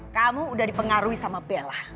kamu udah dipengaruhi sama bella